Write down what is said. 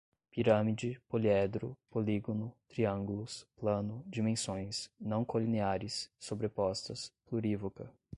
pirâmide, poliedro, polígono, triângulos, plano, dimensões, não colineares, sobrepostas, plurívoca